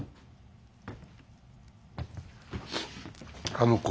あの子。